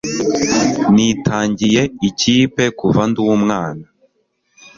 nitangiye ikipe kuva ndumwana